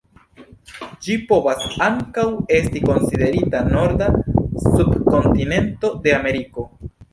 Ĝi povas ankaŭ esti konsiderita norda subkontinento de Ameriko.